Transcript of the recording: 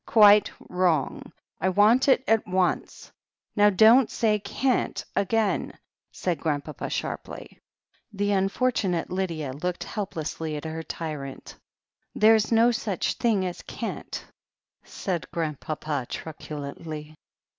"Quite wrong. I want it at once. Now don't say can't again," said Grandpapa sharply. The tmfortimate Lydia looked helplessly at her t3rrant. "There's no such thing as can't/' said Grandpapa truculently.